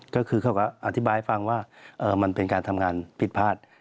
ก็คือเขาก็อธิบายให้ฟังว่ามันเป็นการทำงานผิดพลาด